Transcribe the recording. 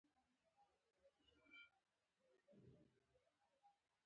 غلطي او خرکوسي مه کوئ